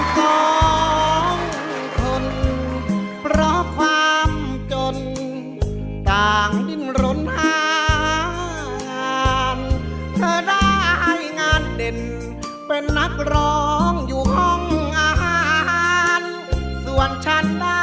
สวัสดีครับ